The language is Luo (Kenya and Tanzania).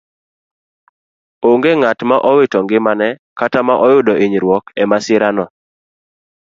Onge ng'at ma owito ngimane kata ma oyudo inyruok emasirano.